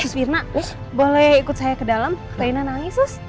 eh miss firna boleh ikut saya ke dalam reina nangis